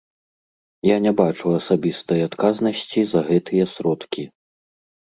Я не бачу асабістай адказнасці за гэтыя сродкі.